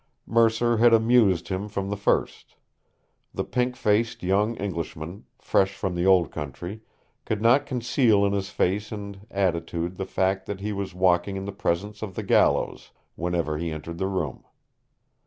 Mercer had amused him from the first. The pink faced young Englishman, fresh from the old country, could not conceal in his face and attitude the fact that he was walking in the presence of the gallows whenever he entered the room.